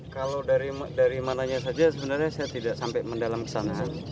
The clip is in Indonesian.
kalau dari mananya saja sebenarnya saya tidak sampai mendalam ke sana